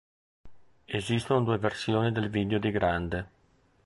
Esistono due versioni del video di "Grande".